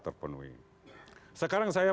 terpenuhi sekarang saya